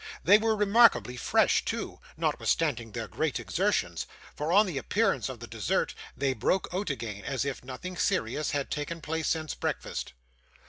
They were remarkably fresh, too, notwithstanding their great exertions: for, on the appearance of the dessert, they broke out again, as if nothing serious had taken place since breakfast.